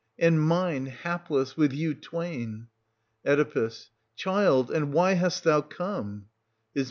And mine, hapless, with you twain. Oe. Child, and why hast thou come } Is.